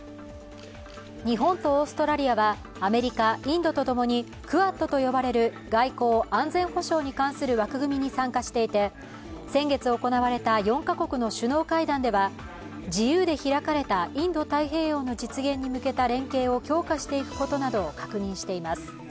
日本とオーストラリアはアメリカ、インドとともにクアッドと呼ばれる外交・安全保障に関する枠組みに参加していて先月行われた４カ国の首脳会談では自由で開かれたインド太平洋の実現に向けた連携を強化していくことなどを確認しています。